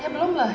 ya belum lah